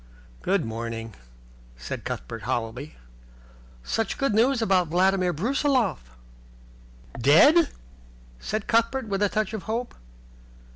"Good morning," said Cuthbert hollowly. "Such good news about Vladimir Brusiloff." "Dead?" said Cuthbert, with a touch of hope.